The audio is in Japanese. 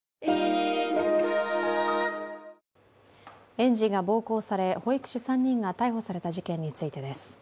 園児が暴行され、保育士３人が逮捕された事件についてです。